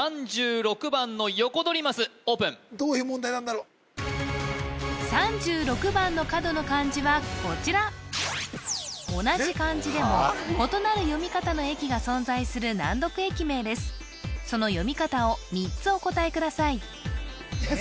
３６番のヨコドリマスオープンどういう問題なんだろう３６番の角の漢字はこちら同じ漢字でも異なる読み方の駅が存在する難読駅名ですその読み方を３つお答えくださいいや